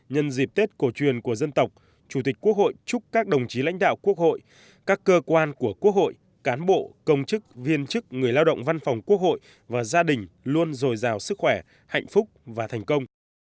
nhân dịp tết cổ truyền của dân tộc chủ tịch quốc hội chúc các đồng chí lãnh đạo quốc hội các cơ quan của quốc hội cán bộ công chức viên chức người lao động văn phòng quốc hội và gia đình luôn dồi dào sức khỏe hạnh phúc và thành công